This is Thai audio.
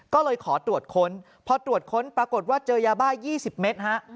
ก็เลยขอตรวจค้นพอตรวจค้นปรากฏว่าเจอยาบ้า๒๐เมตรฮะ